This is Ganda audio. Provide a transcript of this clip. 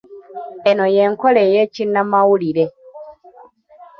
Eno y'enkola ey'ekinnamawulire.